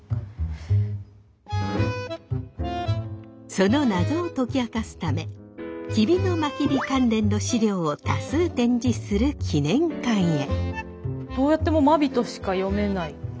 そのナゾを解き明かすため吉備真備関連の資料を多数展示する記念館へ。